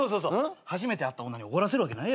初めて会った女におごらせるわけないやろ。